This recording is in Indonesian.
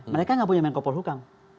mereka nggak punya menko polhukam